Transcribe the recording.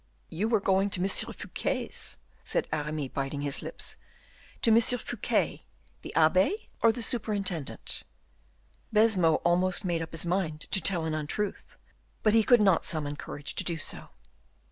"You were going to M. Fouquet's," said Aramis, biting his lips, "to M. Fouquet, the abbe, or the superintendent?" Baisemeaux almost made up his mind to tell an untruth, but he could not summon courage to do so.